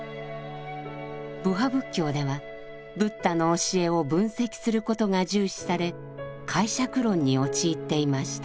部派仏教ではブッダの教えを分析することが重視され解釈論に陥っていました。